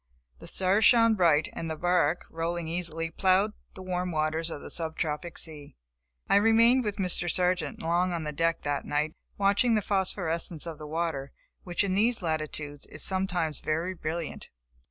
The stars shone bright, and the bark, rolling easily, plowed the warm waters of the sub tropic sea. I remained with Mr. Sargent long on deck that night, watching the phosphorence of the water, which in these latitudes, is sometimes very brilliant.